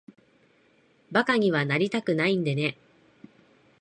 馬鹿にはなりたくないんでね。